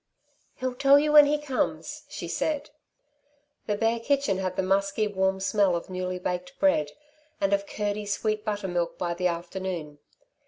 "He'll tell you when he comes," she said. The bare kitchen had the musky, warm smell of newly baked bread and of curdy, sweet buttermilk by the afternoon.